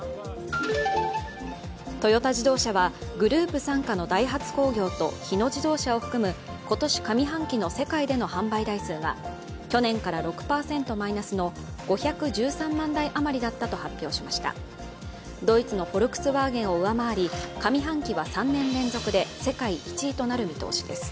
トヨタ自動車はグループ傘下のダイハツ工業と日野自動車を含む今年上半期の世界での販売台数が去年から６％マイナスの５１３万台余りだったと発表しましたドイツのフォルクスワーゲンを上回り上半期は３年連続で世界１位となる見通しです。